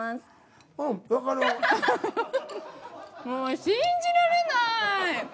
もう信じられない。